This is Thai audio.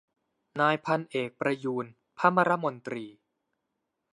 นายพันเอกประยูร ภมรมนตรี